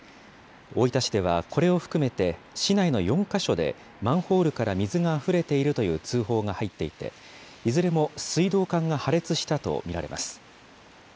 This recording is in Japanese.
大分市ではこれを含めて、市内の４か所でマンホールから水があふれているという通報が入っていて、いずれも水道管が破裂したと見られます。